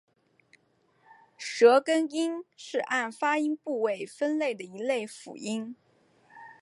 舌根音是按发音部位分类的一类辅音。